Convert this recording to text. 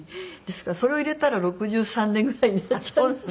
ですからそれを入れたら６３年ぐらいになっちゃう。